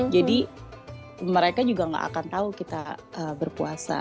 jadi mereka juga gak akan tahu kita berpuasa